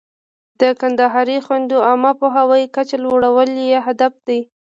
د کندهاري خویندو د عامه پوهاوي کچه لوړول یې هدف دی.